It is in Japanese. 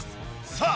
さあ